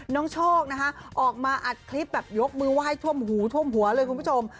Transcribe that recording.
น้องโชคนะคะออกมาอัดคลิปแบบยกมือไหว้ท่วมหูท่วมหัวเลยคุณผู้ชม